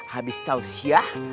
habis tau siah